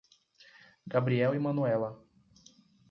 Gabriel e Manuela